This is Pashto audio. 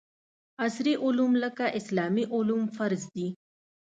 عصري علوم لکه اسلامي علوم فرض دي